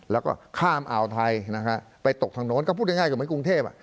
แล้วก็ข้ามอ่าวไทยนะฮะไปตกทางโน้นก็พูดง่ายก็เหมือนกรุงเทพ